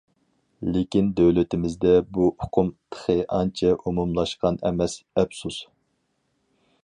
لېكىن دۆلىتىمىزدە بۇ ئۇقۇم تېخى ئانچە ئومۇملاشقان ئەمەس ئەپسۇس.